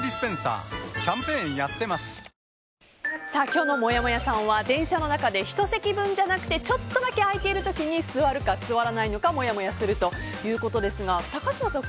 今日のもやもやさんは電車の中で１席分じゃなくてちょっとだけ空いている時に座るか座らないのかもやもやするということですが高嶋さん